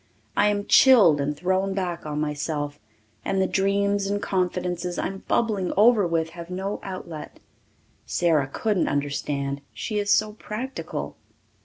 I am chilled and thrown back on myself, and the dreams and confidences I am bubbling over with have no outlet. Sara couldn't understand she is so practical.